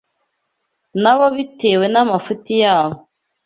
nabo bitewe n’amafuti yabo